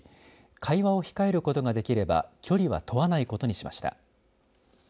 会話を控えることができれば距離は問わないことにしました。